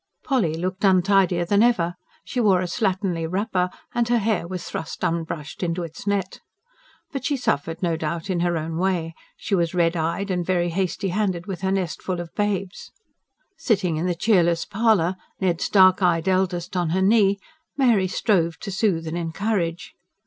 Polly looked untidier than ever; she wore a slatternly wrapper, and her hair was thrust unbrushed into its net. But she suffered, no doubt, in her own way; she was red eyed, and very hasty handed with her nestful of babes. Sitting in the cheerless parlour, Ned's dark eyed eldest on her knee, Mary strove to soothe and encourage.